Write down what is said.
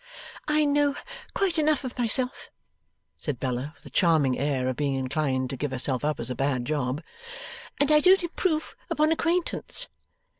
'I know quite enough of myself,' said Bella, with a charming air of being inclined to give herself up as a bad job, 'and I don't improve upon acquaintance.